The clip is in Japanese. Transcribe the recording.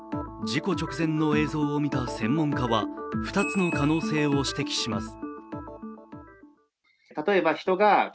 事故直前の映像を見た専門家は２つの可能性を指摘します。